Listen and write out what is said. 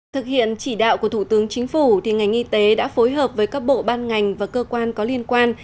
thực hiện chỉ đạo của thủ tướng chính phủ ngành y tế đã phối hợp với các bộ ban ngành và cơ quan có liên quan